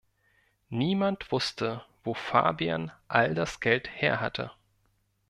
Niemand wusste wo Fabian all das Geld her hatte.